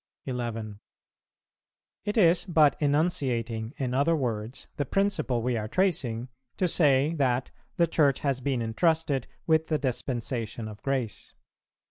11. It is but enunciating in other words the principle we are tracing, to say that the Church has been entrusted with the dispensation of grace.